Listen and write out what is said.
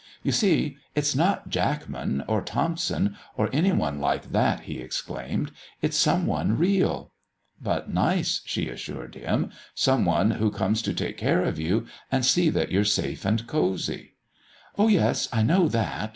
"You see, it's not Jackman, or Thompson, or any one like that," he exclaimed. "It's some one real." "But nice," she assured him, "some one who comes to take care of you and see that you're all safe and cosy." "Oh, yes, I know that.